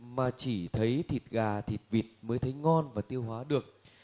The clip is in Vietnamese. mà chỉ thấy thịt gà thịt vịt mới thấy ngon và tiêu hóa được